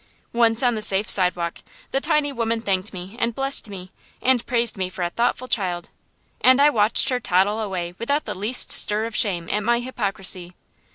Once on the safe sidewalk, the tiny woman thanked me and blessed me and praised me for a thoughtful child; and I watched her toddle away without the least stir of shame at my hypocrisy.